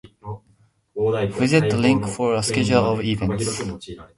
Visit the link for a schedule of events.